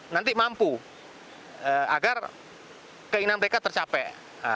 nanti mampu agar keinginan mereka tercapai